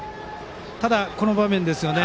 ただ、この場面ですよね。